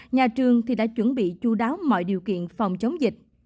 nhà trường đã chuẩn bị chú đáo mọi điều kiện phòng chống dịch